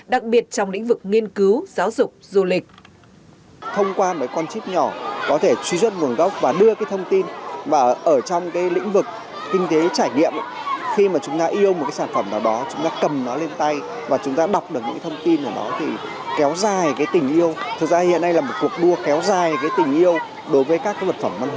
đặc biệt trong lĩnh vực nghiên cứu giáo dục du lịch